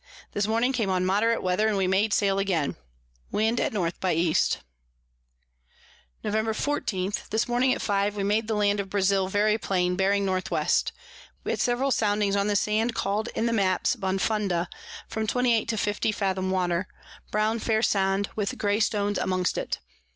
This morning came on moderate Weather, and we made sail again. Wind at N by E. Nov. 14. This Morning at five we made the Land of Brazile very plain, bearing N W. We had several Soundings on the Sand call'd in the Maps Bonfunda, from 28 to 50 Fathom Water; brown fair Sand, with grey Stones amongst it.